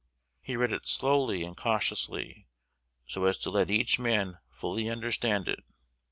He read it slowly and cautiously, so as to let each man fully understand it.